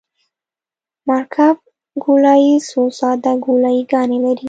مرکب ګولایي څو ساده ګولایي ګانې لري